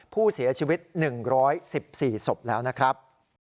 ผู้เสียชีวิต๑๑๔ศพแล้วนะครับ